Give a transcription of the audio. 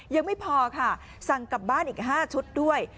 ยังไม่พอค่ะสั่งกลับบ้านอีก๕ชุดด้วย